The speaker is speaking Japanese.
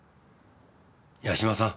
八島さん！